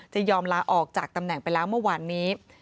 จะยอมลาออกจากตำแหน่งไปแล้วเมื่อวานนี้